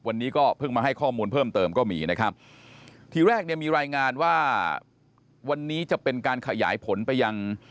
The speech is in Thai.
วันนี้ก็เพิ่งมาให้ข้อมูลเพิ่มเติมก็มีนะครับทีแรกเนี่ยมีรายงานว่าวันนี้จะเป็นการขยายผลไปยัง